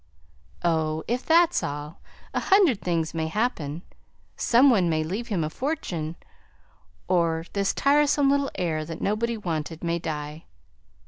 "Oh, if that's all a hundred things may happen some one may leave him a fortune or this tiresome little heir that nobody wanted, may die."